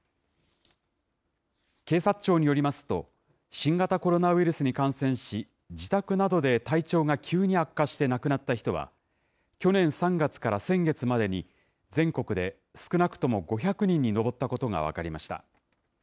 警察庁によりますと、新型コロナウイルスに感染し、自宅などで体調が急に悪化して亡くなった人は、去年３月から先月までに、全国で少なくとも５００人に上ったことが分かりました。